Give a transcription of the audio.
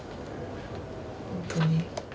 本当に。